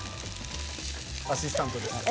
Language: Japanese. アシスタントですから。